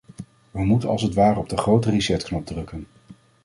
We moeten als het ware op de grote resetknop drukken.